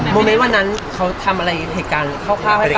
โมเมนท์วันนั้นเขาทำอะไรในหาการเข้าถอกให้ฟัง